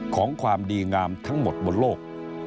ของความดีงามทั้งหมดบนโลก